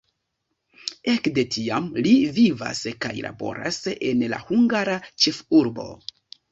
Ekde tiam li vivas kaj laboras en la hungara ĉefurbo.